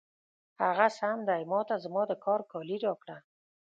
هغه سم دی، ما ته زما د کار کالي راکړه.